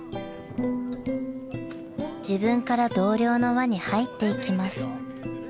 ［自分から同僚の輪に入っていきます］